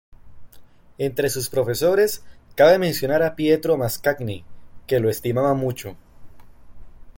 Entre sus profesores cabe mencionar a Pietro Mascagni, que lo estimaba mucho.